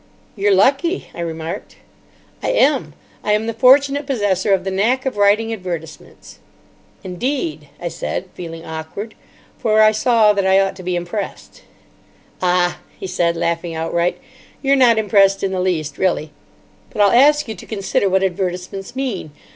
"You're lucky," I remarked. "I am. I am the fortunate possessor of the knack of writing advertisements." "Indeed," I said, feeling awkward, for I saw that I ought to be impressed. "Ah!" he said, laughing outright. "You're not impressed in the least, really. But I'll ask you to consider what advertisements mean.